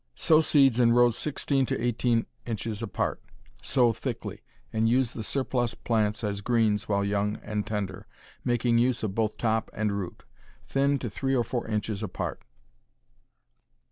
Sow seeds in rows sixteen to eighteen inches apart. Sow thickly, and use the surplus plants as greens while young and tender, making use of both top and root. Thin to three or four inches apart.